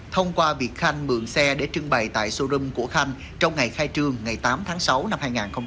thông qua việc khanh mượn xe để trưng bày tại showroom của khanh trong ngày khai trương ngày tám tháng sáu năm hai nghìn hai mươi ba